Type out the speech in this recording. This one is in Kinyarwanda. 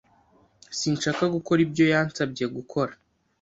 Sinshaka gukora ibyo yansabye gukora.